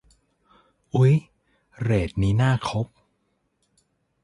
อุ๊ย เรทนี้น่าคบ